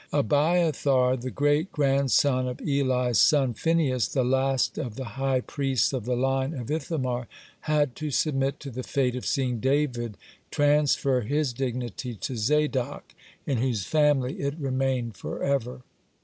Abiathar, the great grandson of Eli's son Phinehas, (30) the last of the high priest of the line of Ithamar, had to submit to the fate of seeing David transfer his dignity to Zadok, in whose family it remained forever.